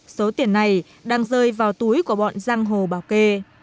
số tiền này đang rơi vào túi của bọn giang hồ bảo kê